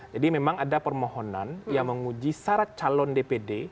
jadi memang ada permohonan yang menguji syarat calon dpd